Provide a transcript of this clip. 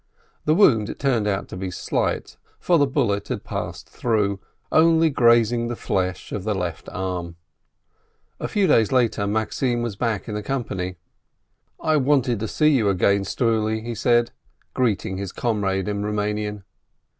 The wound turned out to be slight, for the bullet had passed through, only grazing the flesh of the left arm. A few days later Maxim was back in the company. "I wanted to see you again, Struli," he said, greeting his comrade in Roumanian.